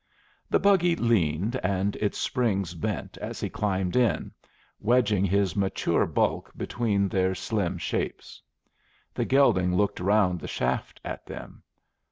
The buggy leaned, and its springs bent as he climbed in, wedging his mature bulk between their slim shapes. The gelding looked round the shaft at them.